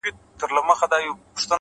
ما په ژړغوني اواز دا يــوه گـيـله وكړه!!